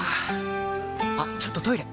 あっちょっとトイレ！